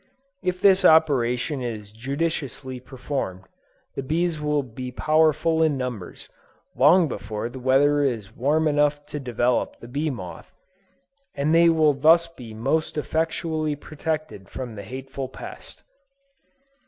If this operation is judiciously performed, the bees will be powerful in numbers, long before the weather is warm enough to develop the bee moth, and they will thus be most effectually protected from the hateful pest.